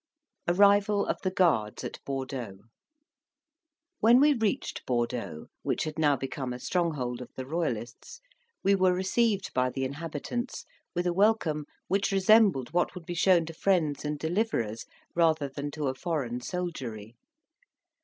ARRIVAL OF THE GUARDS AT BORDEAUX When we reached Bordeaux, which had now become a stronghold of the Royalists, we were received by the inhabitants with a welcome which resembled what would be shown to friends and deliverers, rather than to a foreign soldiery.